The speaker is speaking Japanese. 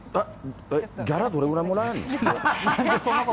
ギャラどれぐらいもらえるの？